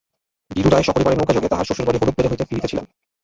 বীরু রায় সপরিবারে নৌকাযোগে তাঁহার শ্বশুরবাড়ী হলুদবেড়ে হইতে ফিরিতেছিলেন।